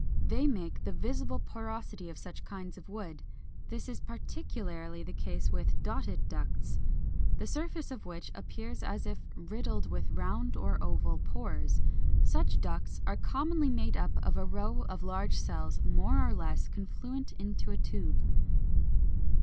They make the visible porosity of such kinds of wood. This is particularly the case with Dotted ducts (Fig. 451, 452), the surface of which appears as if riddled with round or oval pores. Such ducts are commonly made up of a row of large cells more or less confluent into a tube.